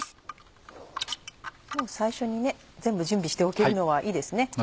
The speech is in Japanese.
最初に全部準備しておけるのはいいですね。